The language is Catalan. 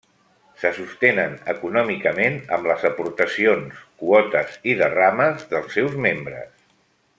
Se sostenen econòmicament amb les aportacions, quotes i derrames dels seus membres.